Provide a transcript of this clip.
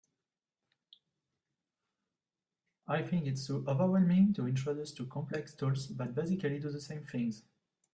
I think it’s too overwhelming to introduce two complex tools that basically do the same things.